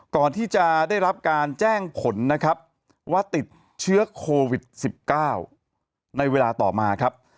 ก่อนที่จะได้รับการแจ้งขนว่าติดเชื้อโควิด๑๙ในเวลาต่อมา